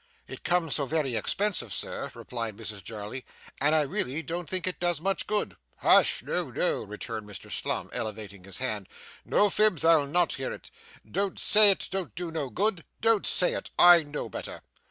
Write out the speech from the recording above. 'It comes so very expensive, sir,' replied Mrs Jarley, 'and I really don't think it does much good.' 'Hush! No, no!' returned Mr Slum, elevating his hand. 'No fibs. I'll not hear it. Don't say it don't do good. Don't say it. I know better!